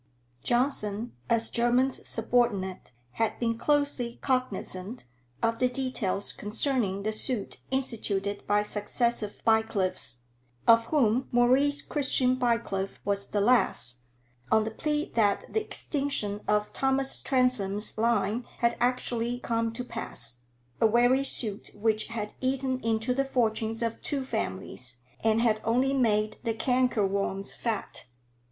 Johnson, as Jermyn's subordinate, had been closely cognizant of the details concerning the suit instituted by successive Bycliffes, of whom Maurice Christian Bycliffe was the last, on the plea that the extinction of Thomas Transome's line had actually come to pass a weary suit, which had eaten into the fortunes of two families, and had only made the cankerworms fat.